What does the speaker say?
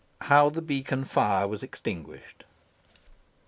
HOW THE BEACON FIRE WAS EXTINGUISHED.